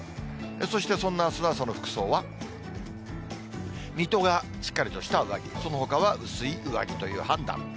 そして、そんなあすの朝の服装は、水戸がしっかりとした上着、そのほかは薄い上着という判断。